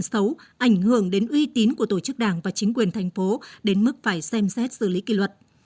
xấu ảnh hưởng đến uy tín của tổ chức đảng và chính quyền thành phố đến mức phải xem xét xử lý kỳ luật